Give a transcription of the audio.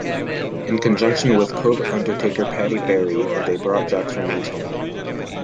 In conjunction with Cobh undertaker Paddy Barry they brought Jack's remains home.